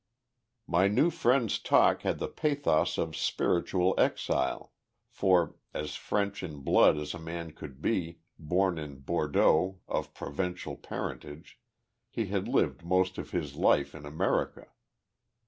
My new friend's talk had the pathos of spiritual exile, for, as French in blood as a man could be, born in Bordeaux of Provençal parentage, he had lived most of his life in America.